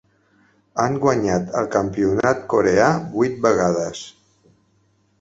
Han guanyat el campionat coreà vuit vegades.